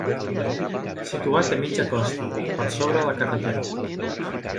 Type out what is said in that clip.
Situat a mitja costa, per sobre la carretera.